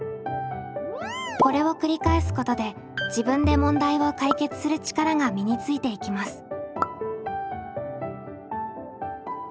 これを繰り返すことで「自分で問題を解決する力」が身についていきます。